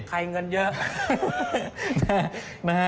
ใครเงินเยอะ